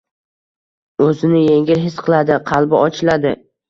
o‘zini yengil his qiladi, qalbi ochiladi